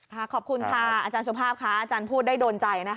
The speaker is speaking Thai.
ขอบคุณค่ะอาจารย์สุภาพค่ะอาจารย์พูดได้โดนใจนะคะ